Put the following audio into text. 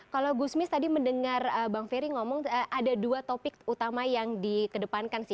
kalau gusmis tadi mendengar bang ferry ngomong ada dua topik utama yang dikedepankan sih